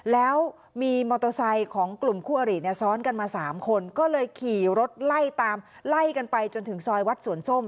แล้วมีมอเตอร์ไซค์ของกลุ่มคู่อริเนี่ยซ้อนกันมา๓คนก็เลยขี่รถไล่ตามไล่กันไปจนถึงซอยวัดสวนส้ม